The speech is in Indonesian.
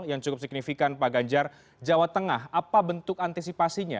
yang cukup signifikan pak ganjar jawa tengah apa bentuk antisipasinya